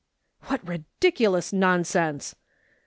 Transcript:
" What ridiculous nonsense